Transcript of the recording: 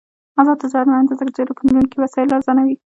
آزاد تجارت مهم دی ځکه چې الکترونیکي وسایل ارزانوي.